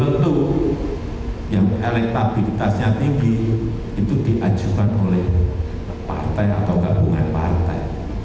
tentu yang elektabilitasnya tinggi itu diajukan oleh partai atau gabungan partai